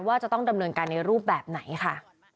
ว่าจะต้องดำเนินการในรูปแบบไหนค่ะ